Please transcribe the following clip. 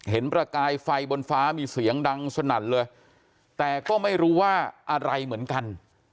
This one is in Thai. ประกายไฟบนฟ้ามีเสียงดังสนั่นเลยแต่ก็ไม่รู้ว่าอะไรเหมือนกัน